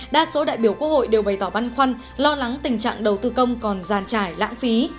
đa số đại biểu quốc hội đều bày tỏ băn khoăn lo lắng tình trạng đầu tư công còn giàn trải lãng phí